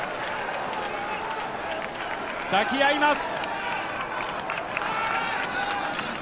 抱き合います。